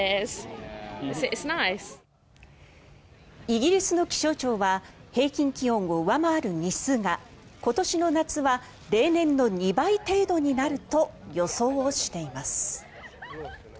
イギリスの気象庁は平均気温を上回る日数が今年の夏は例年の２倍程度になると予想をしています。